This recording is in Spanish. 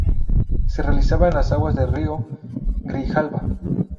Se realizaba en las aguas del río Grijalva.